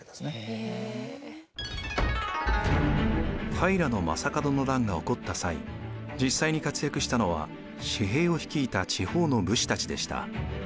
平将門の乱が起こった際実際に活躍したのは私兵を率いた地方の武士たちでした。